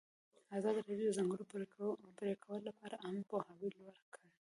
ازادي راډیو د د ځنګلونو پرېکول لپاره عامه پوهاوي لوړ کړی.